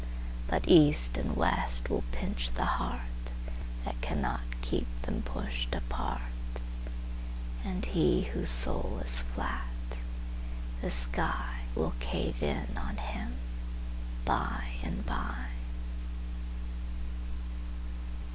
But East and West will pinch the heartThat can not keep them pushed apart; And he whose soul is flat—the skyWill cave in on him by and by.